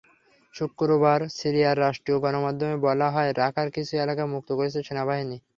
শুক্রবার সিরিয়ার রাষ্ট্রীয় গণমাধ্যমে বলা হয়, রাকার কিছু এলাকা মুক্ত করেছে সেনাবাহিনী।